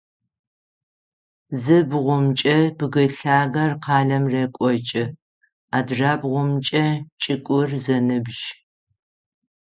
Зы бгъумкӏэ бгы лъагэр къалэм рекӏокӏы, адрэбгъумкӏэ чӏыгур зэныбжь.